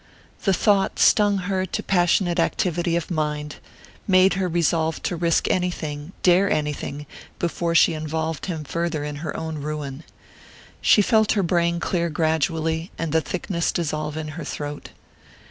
The thought stung her to passionate activity of mind made her resolve to risk anything, dare anything, before she involved him farther in her own ruin. She felt her brain clear gradually, and the thickness dissolve in her throat.